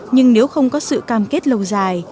nhưng nếu không có sự cam kết lâu dài